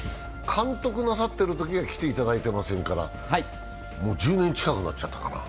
監督なさっているときは来ていただいていませんからもう１０年近くなっちゃったかな。